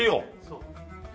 そう。